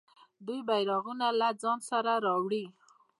دوی بیرغونه له ځان سره راوړي.